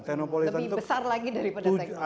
lebih besar lagi daripada teknik